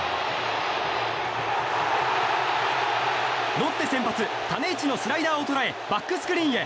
ロッテ先発、種市のスライダーを捉えバックスクリーンへ。